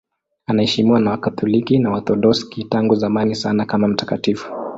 Anaheshimiwa na Wakatoliki na Waorthodoksi tangu zamani sana kama mtakatifu.